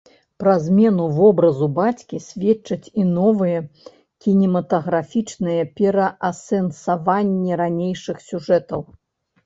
Пра змену вобразу бацькі сведчаць і новыя кінематаграфічныя пераасэнсаванні ранейшых сюжэтаў.